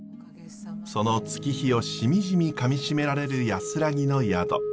その月日をしみじみかみしめられる安らぎの宿。